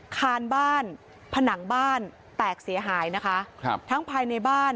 คานบ้านผนังบ้านแตกเสียหายนะคะครับทั้งภายในบ้าน